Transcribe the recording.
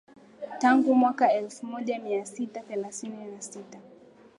tangu mwaka elfumoja miatisa themanini na sita